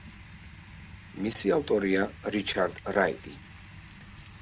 მისი ავტორია რიჩარდ რაიტი.